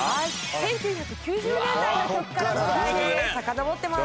１９９０年代の曲から出題です。